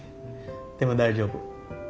でも大丈夫。